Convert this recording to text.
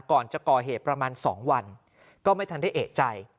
ก่อนจะก่อเหตุประมาณ๒วันก็ไม่ทันได้เอกใจ